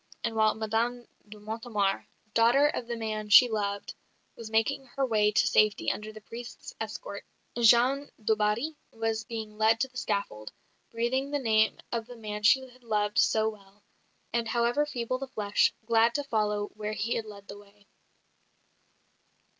And while Madame de Mortemart, daughter of the man she loved, was making her way to safety under the priest's escort, Jeanne du Barry was being led to the scaffold, breathing the name of the man she had loved so well; and, however feeble the flesh, glad to follow where he had led the way.